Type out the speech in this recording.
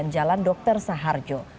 jalan dr saharjo